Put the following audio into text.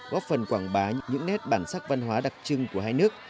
góp phần quảng bá những nét bản sắc văn hóa đặc trưng của hai nước